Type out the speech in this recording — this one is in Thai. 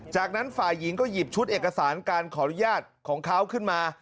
จากนั้นฝ่ายหญิงก็หยิบชุดเอกสารการขออนุญาตของเขาขึ้นมา